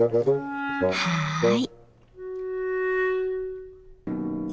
はい。